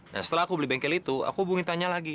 nah setelah aku beli bengkel itu aku bunyi tanya lagi